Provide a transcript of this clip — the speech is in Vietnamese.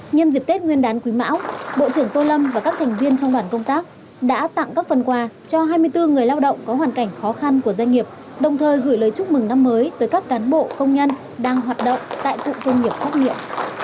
nhân dịp tết nguyên đán quý mão bộ trưởng tô lâm và các thành viên trong đoàn công tác đã tặng các phần quà cho hai mươi bốn người lao động có hoàn cảnh khó khăn của doanh nghiệp đồng thời gửi lời chúc mừng năm mới tới các cán bộ công nhân đang hoạt động tại cụng công nghiệp quốc nhiệm